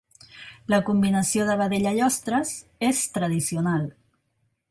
La combinació de vedella i ostres és tradicional.